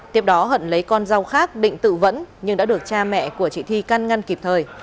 tiếp đó hận lấy con dao khác định tự vẫn nhưng đã được cha mẹ của chị thi căn ngăn kịp thời